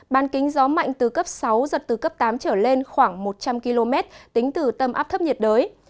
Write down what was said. ban kính gió mạnh từ cấp sáu giật từ cấp tám trở lên khoảng một trăm linh km tính từ tâm áp thấp nhiệt đới